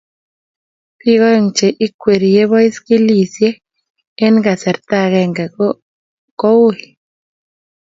Biik aeng che ikwerie baskilisyek eng kasarta agenge ko ng'ui.